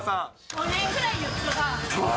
５年ぐらい言っとる。